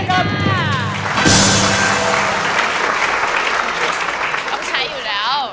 ต้องใช้อยู่แล้ว